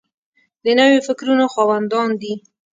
د نویو فکرونو خاوندان دي.